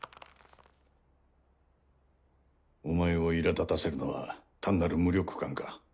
お前を苛立たせるのは単なる無力感か？